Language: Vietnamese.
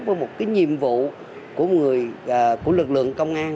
với một cái nhiệm vụ của lực lượng công an